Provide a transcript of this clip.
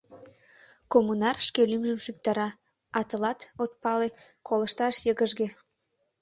Коммунар шке лӱмжым шӱктара, а тылат, от пале, колышташ йыгыжге.